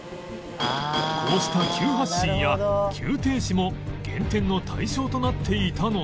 こうした急発進や急停止も減点の対象となっていたのだ